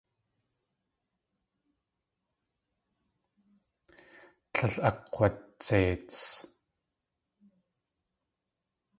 Tlél akakg̲watseits.